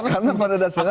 karena pada dasarnya